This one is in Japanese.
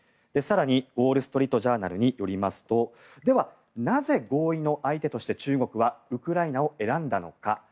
更にウォール・ストリート・ジャーナルによりますとではなぜ合意の相手として中国はウクライナを選んだのか。